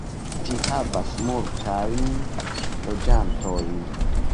Ĝi havas multajn loĝantojn.